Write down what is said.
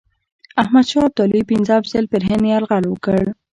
احمدشاه ابدالي پنځم ځل پر هند یرغل وکړ.